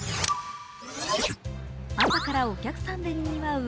朝からお客さんでにぎわう